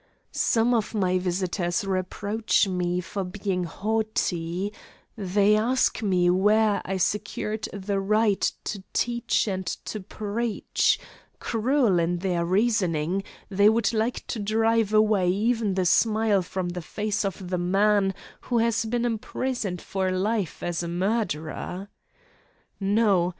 Some of my visitors reproach me for being "haughty"; they ask me where I secured the right to teach and to preach; cruel in their reasoning, they would like to drive away even the smile from the face of the man who has been imprisoned for life as a murderer. No.